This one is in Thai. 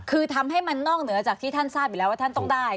คือทำให้มันนอกเหนือจากที่ท่านทราบอยู่แล้วว่าท่านต้องได้